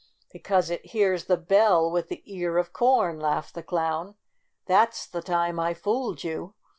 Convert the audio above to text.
"Because it hears the bell with the ear of corn !'' laughed the clown. *' That 's the time I fooled you!